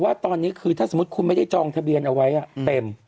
ว่าตอนนี้คือถ้าสมมุติคุณไม่ได้จองทะเบียนเอาไว้เต็ม